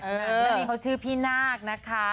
แล้วนี่เขาชื่อพี่นาคนะคะ